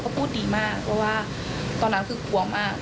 เขาพูดดีมากเพราะว่าตอนนั้นคือกลัวมาก